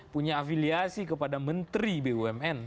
punya afiliasi kepada menteri bumn